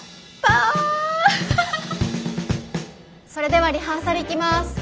それではリハーサルいきます。